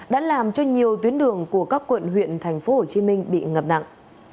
đã làm cho nhiều tuyến đường của các quận huyện tp hcm bị ngập nặng